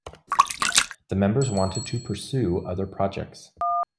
The members wanted to pursue other projects.